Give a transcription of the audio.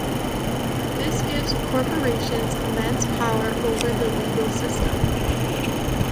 This gives corporations immense power over the legal system.